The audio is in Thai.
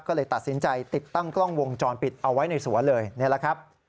ก็เลยตัดสินใจติดตั้งกล้องวงจรปิดเอาไว้ในสวนเลยนี่แหละครับ